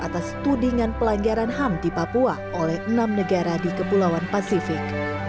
atas tudingan pelanggaran ham di papua oleh enam negara di kepulauan pasifik